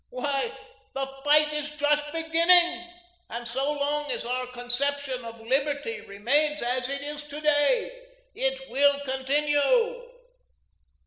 Why, the fight is just beginning and so long as our conception of liberty remains as it is to day, it will continue.